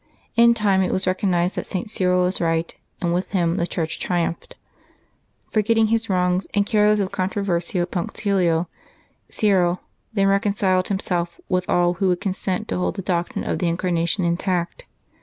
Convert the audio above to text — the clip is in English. In time it was recognized that St. Cyril was right, and with him the Church triumphed. Forgetting his wrongs, and careless of controversial punctilio, Cyril then reconciled himself with all who would consent to hold the doctrine of the In carnation intact.